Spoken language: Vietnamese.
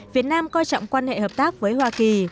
việt nam coi trọng quan hệ hợp tác với hoa kỳ